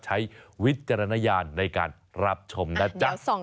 วิจารณญาณในการรับชมนะจ๊ะ